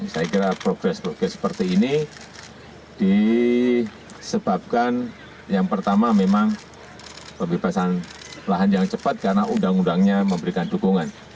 saya kira progres progres seperti ini disebabkan yang pertama memang pembebasan lahan yang cepat karena undang undangnya memberikan dukungan